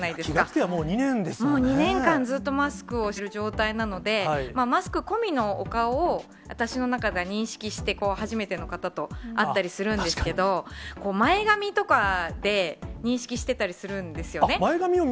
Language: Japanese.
気が付けばもう、２年ですももう２年間ずっとマスクをしている状態なので、マスク込みのお顔を私の中では認識して、初めての方と会ったりするんですけど、前髪とかで認識してたりするんですよね。